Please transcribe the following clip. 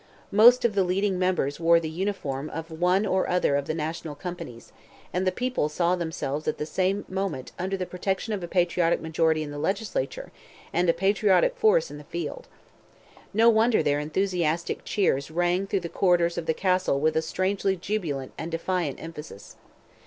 Most of the leading members wore the uniform of one or other of the national companies, and the people saw themselves at the same moment under the protection of a patriotic majority in the legislature, and a patriotic force in the field. No wonder their enthusiastic cheers rang through the corridors of the castle with a strangely jubilant and defiant emphasis.